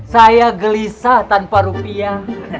saya gelisah tanpa rupiah